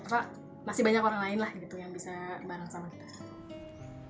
karena masih banyak orang lain lah yang bisa bareng sama kita